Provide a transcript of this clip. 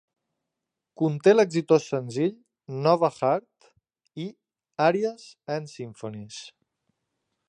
Conté l'exitós senzill "Nova Heart" i "Arias and Symphonies".